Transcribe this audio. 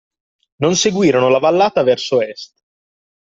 Non seguirono la vallata verso est